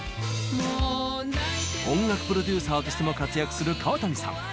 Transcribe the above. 音楽プロデューサーとしても活躍する川谷さん。